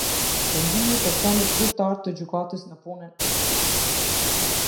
Pengimi i personit zyrtar të gjykatës në punën e tij.